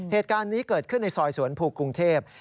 เหตุการณ์นี้เกิดขึ้นในซอยสวนภูกรุงเทพ